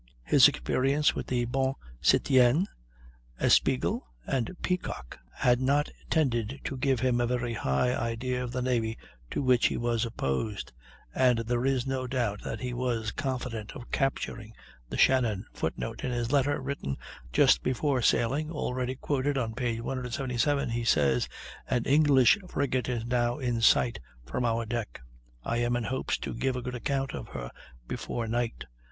His experience with the Bonne Citoyenne, Espiègle, and Peacock had not tended to give him a very high idea of the navy to which he was opposed, and there is no doubt that he was confident of capturing the Shannon. [Footnote: In his letter written just before sailing (already quoted on p. 177) he says: An English frigate is now in sight from our deck. I am in hopes to give a good account of her before night.